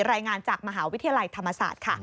รายงานจากมหาวิทยาลัยธรรมศาสตร์ค่ะ